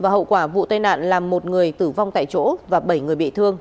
hậu quả vụ tai nạn là một người tử vong tại chỗ và bảy người bị thương